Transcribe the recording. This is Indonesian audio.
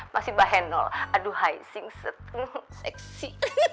masih bahenol aduhai sing set seksi